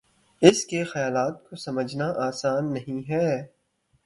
اس کے خیالات کو سمجھنا آسان نہیں ہے